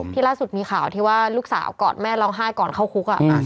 ที่ล่าสุดมีข่าวที่ว่าลูกสาวกอดแม่ร้องไห้ก่อนเข้าคุก